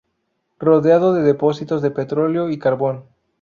Rodeado de depósitos de petróleo y carbón.